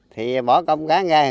thì bỏ công cán ra